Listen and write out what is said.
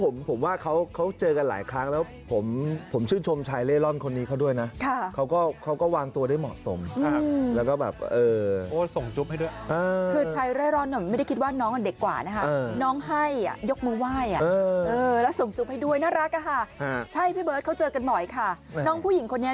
สวัสดีคุณผู้ชมต่อค่ะได้เห็นคลิปนี้แล้วบอกว่าใจฟูจริงเลยค่ะได้เห็นคลิปนี้